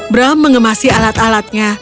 bram mengemasi alat alatnya